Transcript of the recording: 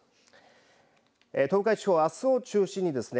東海地方はあすを中心にですね